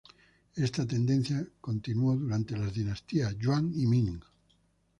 Esta tendencia continuó durante las dinastías Yuan y Ming.